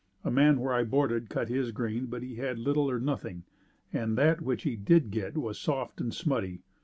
The man where I boarded cut his grain but he had little or nothing, and that which he did get was soft and smutty.